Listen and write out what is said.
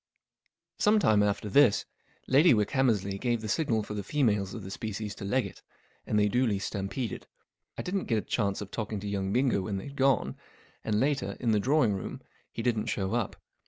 Some time after this, Lady Wickhammers ley gave the signal for the females of the species to leg it, and they duly stampeded. I didn't get a chance of talking to young Bingo when they'd gone, and later, in the drawing room, he didn't show up.